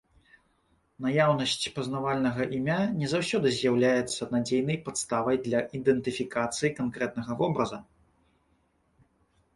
Наяўнасць пазнавальнага імя не заўсёды з'яўляецца надзейнай падставай для ідэнтыфікацыі канкрэтнага вобраза.